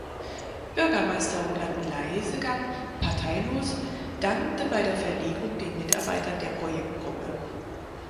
Bürgermeister Roland Leisegang (parteilos) dankte bei der Verlegung den Mitarbeitern der Projektgruppe.